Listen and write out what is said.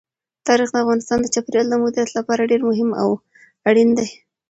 تاریخ د افغانستان د چاپیریال د مدیریت لپاره ډېر مهم او اړین دي.